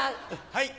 はい。